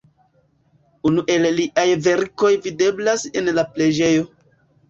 Unu el liaj verkoj videblas en la preĝejo.